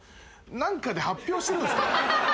何かで発表してるんですか？